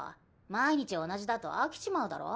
毎日同じだと飽きちまうだろ。